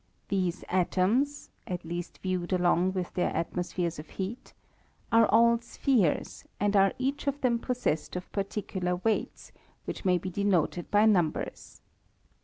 These atoms (at least viewed along with their atmospheres of heat) are all spheres, and are each of them possessed of particular weights, which may be denoted by numbers.